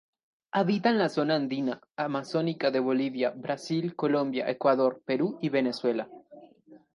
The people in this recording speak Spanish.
Habita en la zona andina-amazónica de Bolivia, Brasil, Colombia, Ecuador, Perú y Venezuela.